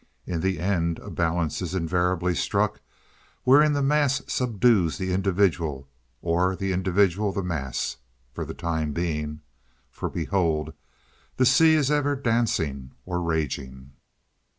In the end a balance is invariably struck wherein the mass subdues the individual or the individual the mass—for the time being. For, behold, the sea is ever dancing or raging.